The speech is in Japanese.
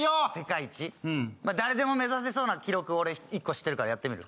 まあ誰でも目指せそうな記録俺１個知ってるからやってみる？